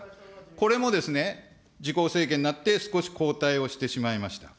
これもですね、自公政権になって少し後退をしてしまいました。